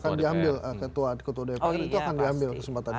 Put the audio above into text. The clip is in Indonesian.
akan diambil ketua ketua dpr itu akan diambil kesempatan itu ya